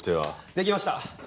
できました。